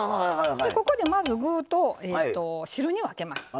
ここでまず具と汁に分けます。